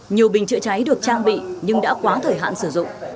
nhiều bình chữa cháy được trang bị nhưng đã quá thời hạn sử dụng